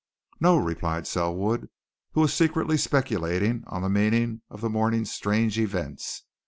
"No," replied Selwood, who was secretly speculating on the meaning of the morning's strange events.